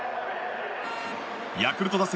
ヤクルト打線